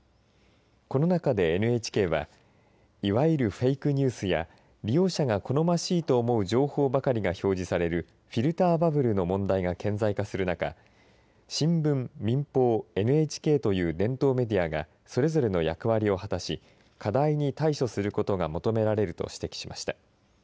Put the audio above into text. この中で、ＮＨＫはいわゆるフェイクニュースや利用者が好ましいと思う情報ばかりが表示されるフィルターバブルの問題が顕在化する中新聞・民法・ＮＨＫという伝統メディアがそれぞれの役割を果たし課題に対処することが求められると指摘しました。